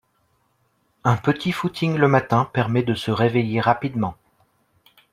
Un petit footing le matin permet de se réveiller rapidement